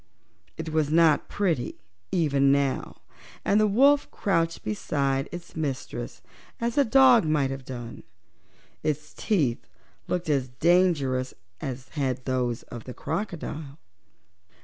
It was not pretty even now, and the wolf crouched beside its mistress as a dog might have done. Its teeth looked as dangerous as had those of the crocodile.